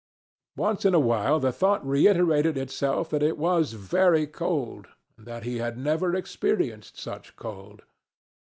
Once in a while the thought reiterated itself that it was very cold and that he had never experienced such cold.